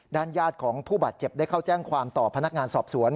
ญาติของผู้บาดเจ็บได้เข้าแจ้งความต่อพนักงานสอบสวน